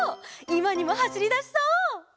いまにもはしりだしそう！